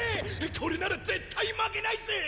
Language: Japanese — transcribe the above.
これなら絶対負けないぜ！